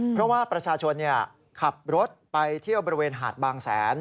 เพราะว่าประชาชนขับรถไปเที่ยวบริเวณหาดบางแสน